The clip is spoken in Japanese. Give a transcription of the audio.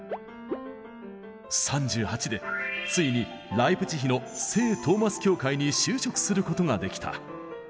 ３８でついにライプチヒの聖トーマス教会に就職することができた。